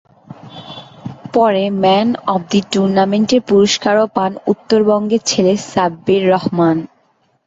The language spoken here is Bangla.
পরে ম্যান অব দ্য টুর্নামেন্টের পুরস্কারও পান উত্তরবঙ্গের ছেলে সাব্বির রহমান।